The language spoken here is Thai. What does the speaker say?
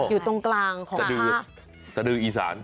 อยู่ตรงกลางของสดือสดืออีสาน